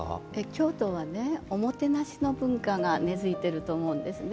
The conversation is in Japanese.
京都はおもてなしの文化が根づいていると思うんですね。